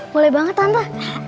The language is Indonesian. boleh banget tante